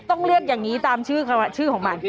ต้องเรียกอย่างนี้ตามชื่อของมัน